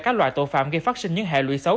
các loại tội phạm gây phát sinh những hệ lụy xấu